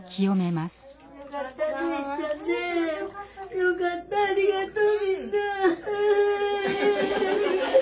よかったありがとうみんな。